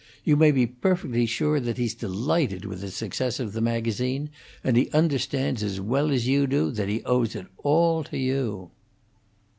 You may be perfectly sure that he's delighted with the success of the magazine, and that he understands as well as you do that he owes it all to you."